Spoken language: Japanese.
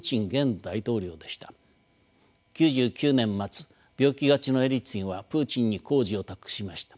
９９年末病気がちのエリツィンはプーチンに後事を託しました。